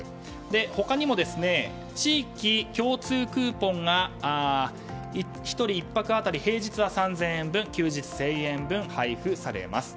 他にも、地域共通クーポンが１人１泊当たり平日は３０００円分休日１０００円分配布されます。